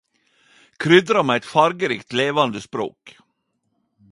Krydra med eit fargerikt levande språk!